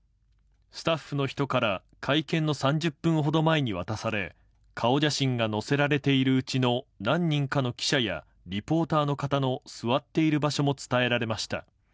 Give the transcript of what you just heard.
スタッフの人から会見の３０分ほど前に渡され、顔写真が載せられているうちの何人かの記者やリポーターの方の座っている場所も伝えられました。